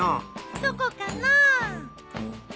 どこかな？